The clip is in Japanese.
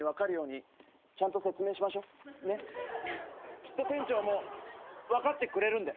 きっと店長も分かってくれるんで。